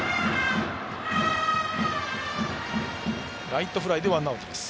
ライトフライでワンアウトです。